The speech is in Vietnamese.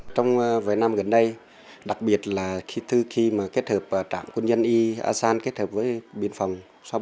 trong vẻ năm gần đây đặc biệt là trước khi kết hợp trạm quân dân y a sang kết hợp bệnh phòng sáu trăm bốn mươi chín